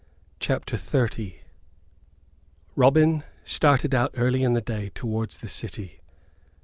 CHAPTER XXX Robin started out early in the day towards the city.